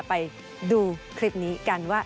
ไปดูคลิปนี้กันว่า